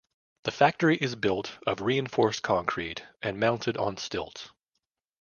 The factory is built of reinforced concrete and mounted on stilts.